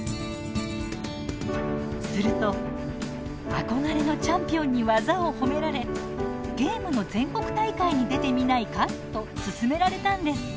すると憧れのチャンピオンに技を褒められ「ゲームの全国大会に出てみないか」と勧められたんです。